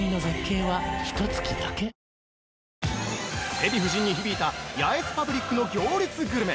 ◆デヴィ夫人に響いたヤエスパブリックの行列グルメ。